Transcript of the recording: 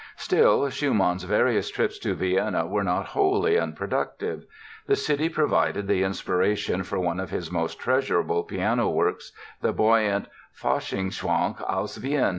Still, Schumann's various trips to Vienna were not wholly unproductive. The city provided the inspiration for one of his most treasurable piano works, the buoyant "Faschingschwank aus Wien".